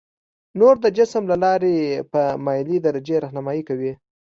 نور د جسم له لارې په مایلې درجې رهنمایي کوي.